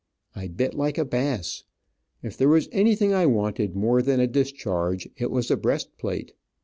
I bit like a bass. If there was anything I wanted more than a discharge, it was a breast plate.